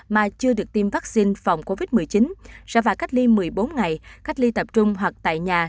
mà chưa được tiêm vaccine phòng covid một mươi chín sẽ phải cách ly một mươi bốn ngày cách ly tập trung hoặc tại nhà